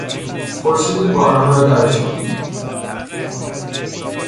خورشید باران را درآشامید.